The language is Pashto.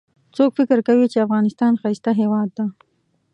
څوک فکر کوي چې افغانستان ښایسته هیواد ده